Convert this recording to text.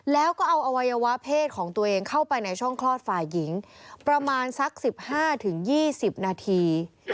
แล้วก็เอาอวัยวะเพศของตัวเองเข้าไปในช่องคลอดฝ่ายหญิงประมาณสัก๑๕๒๐นาที